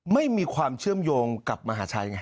ไม่มีความเชื่อมโยงกับมหาชัยไง